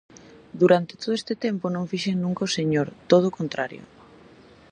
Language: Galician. Durante todo este tempo non fixen nunca o señor; todo o contrario.